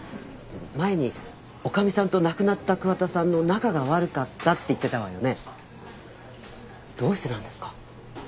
前に女将さんと亡くなった桑田さんの仲が悪かったって言ってたわよねどうしてなんですか？